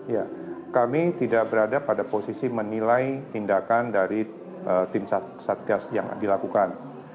ya kami tidak berada pada posisi menilai tindakan dari tim satgas yang dilakukan